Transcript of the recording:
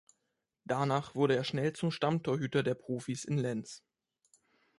Danach wurde er schnell zum Stammtorhüter der Profis in Lens.